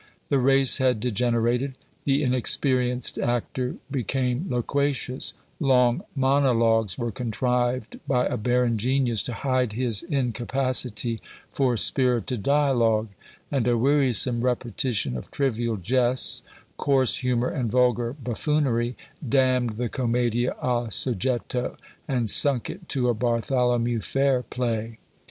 The race had degenerated; the inexperienced actor became loquacious; long monologues were contrived by a barren genius to hide his incapacity for spirited dialogue; and a wearisome repetition of trivial jests, coarse humour, and vulgar buffoonery, damned the Commedia a soggetto, and sunk it to a Bartholomew fair play.